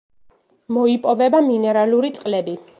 მოიპოვება მინერალური წყლები.